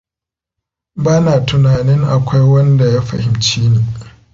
Bana tunanin akwai wanda ya fahimce ni.